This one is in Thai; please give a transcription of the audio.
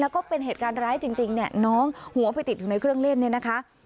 แล้วก็เป็นเหตุการณ์ร้ายจริงเนี่ยน้องหัวไปติดอยู่ในเครื่องเล่นเนี่ยนะคะ